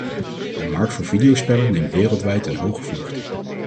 De markt voor videospellen neemt wereldwijd een hoge vlucht.